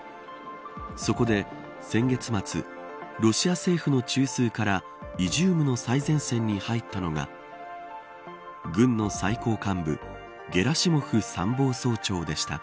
そこで先月末ロシア政府の中枢からイジュームの最前線に入ったのが軍の最高幹部ゲラシモフ参謀総長でした。